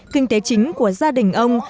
kinh tế chính của gia đình ông